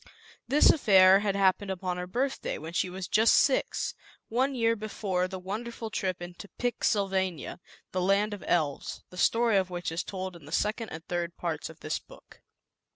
This affair had happened upon her birthday, when she was just six, one year before the wonderful trip into Pix Sylvania, the land of Elves, the story of which is told in the second and third parts of this book.